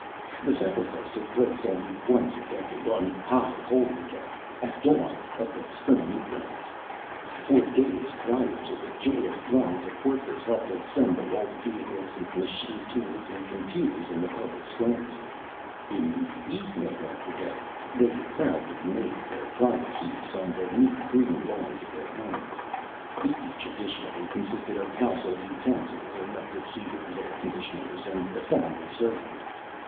The Sacrifice took place only once a decade, on High Holy Day at dawn of the spring equinox. For days prior to it joyous throngs of workers helped assemble old vehicles, machine tools and computers in the public squares, crowning each pile with used, disconnected robots. In the evening of the Day they proudly made their private heaps on the neat green lawns of their homes. These traditionally consisted of household utensils, electric heaters, air conditioners and the family servant.